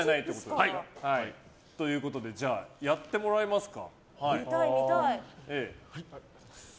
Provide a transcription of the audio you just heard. ということでやってもらいますか。